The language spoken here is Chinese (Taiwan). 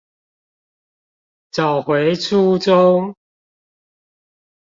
找回初衷